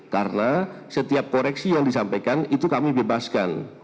karena setiap koreksi yang disampaikan itu kami bebaskan